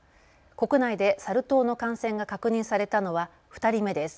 国内でサル痘の感染が確認されたのは２人目です。